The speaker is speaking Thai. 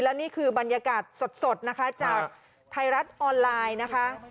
และนี่คือบรรยากาศสดนะคะจากไทยรัฐออนไลน์นะคะ